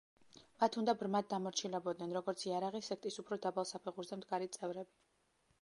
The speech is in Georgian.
მათ უნდა ბრმად დამორჩილებოდნენ, როგორც იარაღი სექტის უფრო დაბალ საფეხურზე მდგარი წევრები.